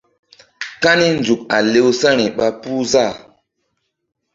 Kani nzuk a lewsa̧ri ɓa puh záh.